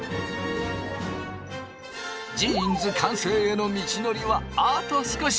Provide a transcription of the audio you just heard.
ジーンズ完成への道のりはあと少し。